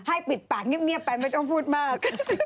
ปิดปากเงียบไปไม่ต้องพูดมาก